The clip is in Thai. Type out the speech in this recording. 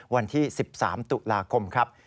วันที่๑๓ตุลาคมครับ